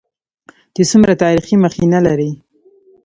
چې څومره تاريخي مخينه لري.